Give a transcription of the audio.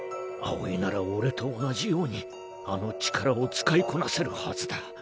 葵ならおれと同じようにあの力を使いこなせるはずだ。